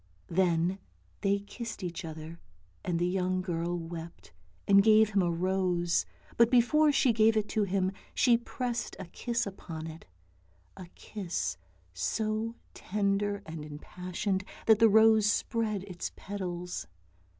" Then they kissed each other, and the young girl wept, and gave him a rose, but before she gave it to him she pressed a kiss upon it, a kiss so tender and impassioned that the rose spread its petals.